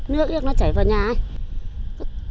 nước nước nó chảy vào nhà ai